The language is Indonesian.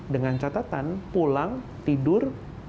dengan catatan pulang tidur